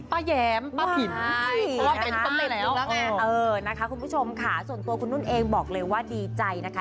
เป็นผลผิดนี่นะคะคุณผู้ชมค่ะส่วนตัวคุณนุ่นเองบอกเลยว่าดีใจนะคะ